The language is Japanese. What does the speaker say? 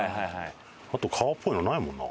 あと川っぽいのないもんな。